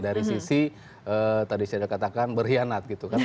dari sisi tadi saya katakan berkhianat gitu kan